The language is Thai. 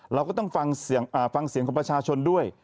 เราก็ต้องฟังเสียงของประชาชนด้วย